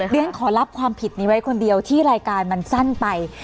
เรียนขอรับความผิดนี้ไว้คนเดียวที่รายการมันสั้นไป